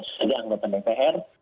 sebagai anggota dpr